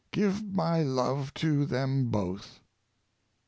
Give my love to them both.''